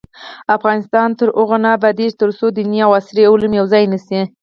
افغانستان تر هغو نه ابادیږي، ترڅو دیني او عصري علوم یو ځای نشي.